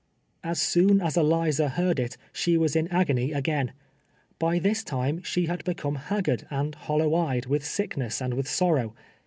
As soon as Eliza heard it, she was in an ao onv again. By this time she had become haggard and hollow eyed with sickness and with sorrow.